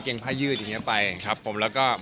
เกงผ้ายืดอย่างนี้ไปครับนะครับ